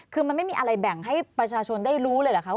คือมันไม่มีอะไรแบ่งให้ประชาชนได้รู้เลยเหรอคะ